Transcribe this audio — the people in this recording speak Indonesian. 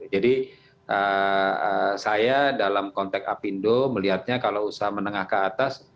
jadi saya dalam kontak apindo melihatnya kalau usaha menengah ke atas